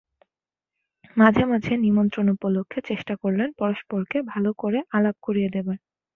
মাঝে মাঝে নিমন্ত্রণ উপলক্ষে চেষ্টা করলেন পরস্পরকে ভালো করে আলাপ করিয়ে দেবার।